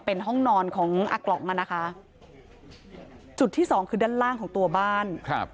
เป็นห้องนอนของอากล่องอ่ะนะคะจุดที่สองคือด้านล่างของตัวบ้านครับ